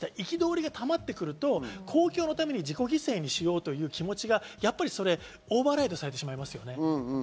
我慢してきた憤りがたまってくると、公共のために自己犠牲にしようという気持ちがオーバーライドされてしまいますよね。